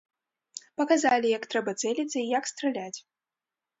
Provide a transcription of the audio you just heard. Паказалі, як трэба цэліцца і як страляць.